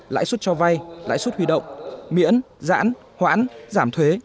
lãi suất cho vay lãi suất huy động miễn giãn hoãn giảm thuế